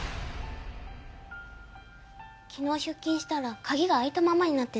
昨日出勤したらカギが開いたままになってて。